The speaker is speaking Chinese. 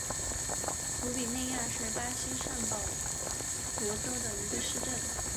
鲁比内亚是巴西圣保罗州的一个市镇。